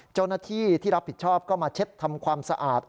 เจ้าหน้าที่ที่รับผิดชอบก็มาเช็ดทำความสะอาด